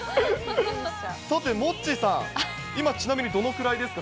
さてモッチーさん、今、ちなみにどのくらいですか？